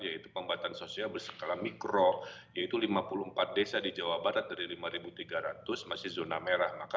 yaitu pembatasan sosial berskala mikro yaitu lima puluh empat desa di jawa barat dari lima tiga ratus masih zona merah